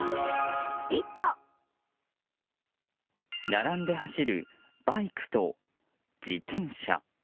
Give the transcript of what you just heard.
並んで走るバイクと自転車。